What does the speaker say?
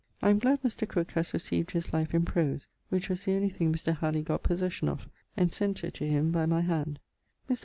I am glad Mr. Crooke has receaved his Life in Prose, which was the onely thing Mr. Halleley got possession of, and sent it to him by my hand. Mr.